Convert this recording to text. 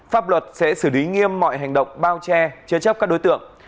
pháp luật sẽ xử lý nghiêm mọi hành động bao che chế chấp các đối tượng